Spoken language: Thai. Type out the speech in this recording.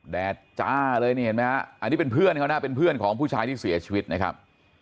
แดดจ้าเลยนี่เห็นไหมครับอันนี้เป็นเพื่อนของผู้ชายที่เสียชีวิตนะครับ